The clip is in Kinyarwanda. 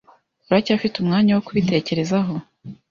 Uracyafite umwanya wo kubitekerezaho.